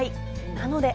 なので。